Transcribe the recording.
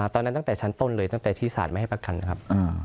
ตั้งแต่ชั้นต้นเลยตั้งแต่ที่ศาลไม่ให้ประกันครับ